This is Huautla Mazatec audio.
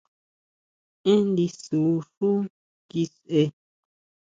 Én ndisú xú kiseʼe!